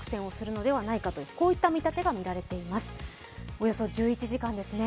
およそ１１時間ですね。